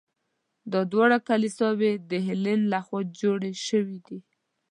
دا دواړه کلیساوې د هیلن له خوا جوړې شوي دي.